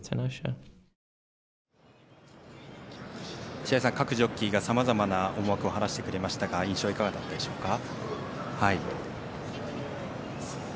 白井さん、各ジョッキーがさまざまな思惑を話してくれましたが印象いかがだったでしょうか？